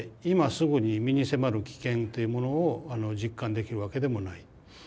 今すぐに身に迫る危険っていうものを実感できるわけでもない。